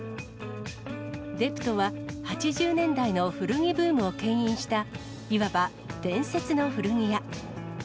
デプトは８０年代の古着ブームをけん引した、いわば伝説の古着屋。